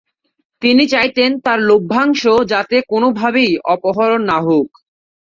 তিনি চাইতেন, তার লভ্যাংশ যাতে কোনভাবেই অপহরণ না হোক।